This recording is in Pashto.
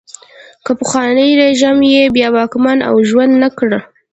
خو پخوانی رژیم یې بیا واکمن او ژوندی نه کړ.